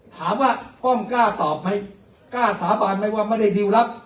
ถามว่าป้อมกล้าตอบไหมกล้าสาบานไหมว่าไม่ได้ดิวรับ